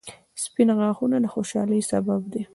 • سپین غاښونه د خوشحالۍ سبب دي